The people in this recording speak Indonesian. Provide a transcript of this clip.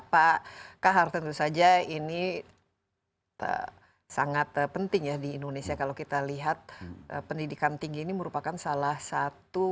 pak kahar tentu saja ini sangat penting ya di indonesia kalau kita lihat pendidikan tinggi ini merupakan salah satu